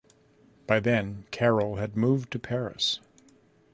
By then, Carroll had moved to Paris.